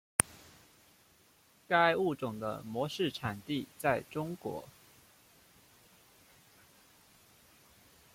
该物种的模式产地在中国。